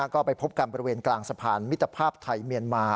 ก็ไปพบกันบริเวณกลางสะพานมิตรภาพไทยเมียนมา